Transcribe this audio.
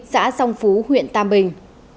xã song phú huyện tam bình